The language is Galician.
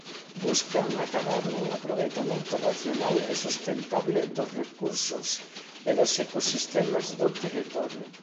Buscan acadar un aproveitamento racional e sustentable dos recursos e dos ecosistemas do territorio.